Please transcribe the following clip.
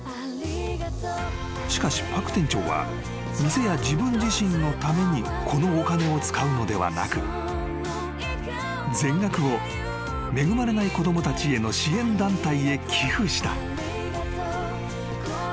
［しかしパク店長は店や自分自身のためにこのお金を使うのではなく全額を恵まれない子供たちへの支援団体へ寄付した］